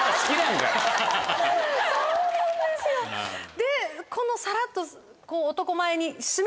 でさらっと男前に。